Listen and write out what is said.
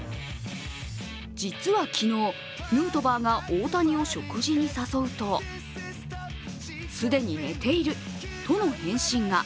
実は昨日、ヌートバーが大谷を食事に誘うと既に寝ているとの返信が。